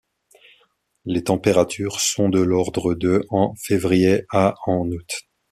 Les températures sont de l'ordre de en février à en août.